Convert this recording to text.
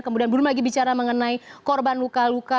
kemudian belum lagi bicara mengenai korban luka luka